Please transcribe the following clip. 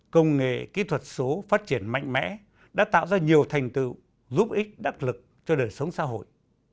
công nghệ kỹ thuật số phát triển mạnh mẽ đã tạo ra nhiều thành tựu giúp ích đắc lực cho đời sống xã hội